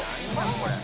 これ。